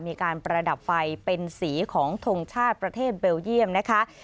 มีการประดับไฟเป็นสีของทงชาติประเทศเบลเยี่ยมนะคะ